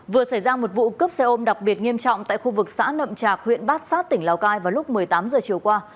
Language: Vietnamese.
vừa xảy ra một vụ cướp xe ôm đặc biệt nghiêm trọng tại khu vực xã nậm trạc huyện bát sát tỉnh lào cai vào lúc một mươi tám h chiều qua